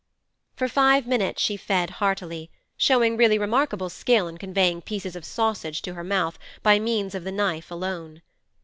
For five minutes she fed heartily, showing really remarkable skill in conveying pieces of sausage to her mouth by means of the knife alone.